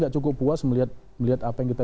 tidak cukup puas melihat apa yang kita